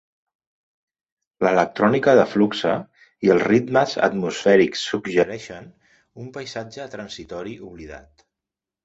L'electrònica de Fuxa i els ritmes atmosfèrics suggereixen un paisatge transitori oblidat.